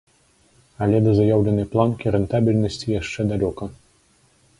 Але да заяўленай планкі рэнтабельнасці яшчэ далёка.